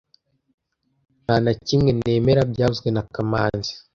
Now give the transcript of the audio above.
Nta na kimwe nemera byavuzwe na kamanzi